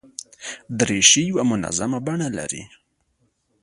دریشي یو منظمه بڼه لري.